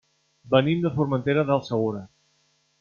Venim de Formentera del Segura.